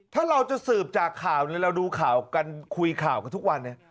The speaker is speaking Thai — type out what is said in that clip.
ถ้าเราจะสืบจากข่าวนี้เราดูข่าวกันคุยข่าวกันทุกวันเนี่ย